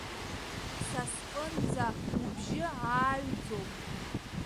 Са сҟынӡа убжьы ааҩӡом.